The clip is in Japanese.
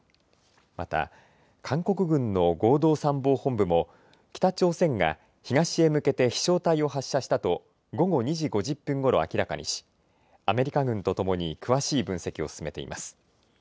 また、韓国軍の合同参謀本部も北朝鮮が東へ向けて飛しょう体を発射したと午後２時５０分ごろ明らかにしアメリカ軍とともに詳しい分析を進めています。